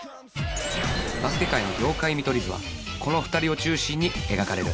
バスケ界のギョーカイ見取り図はこの２人を中心に描かれる